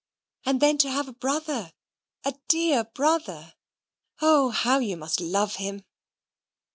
And then, to have a brother, a dear brother! Oh, how you must love him!"